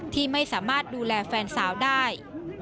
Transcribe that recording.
ที่ไม่สามารถดูแลแฟนสาวได้